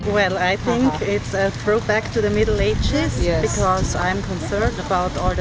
saya pikir ini adalah pindah ke keinginan muda karena saya khawatir tentang semua wanita